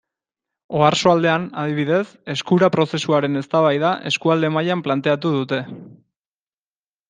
Oarsoaldean, adibidez, Eskura prozesuaren eztabaida eskualde mailan planteatu dute.